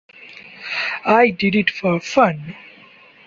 I did it for fun.